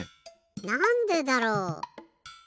なんでだろう？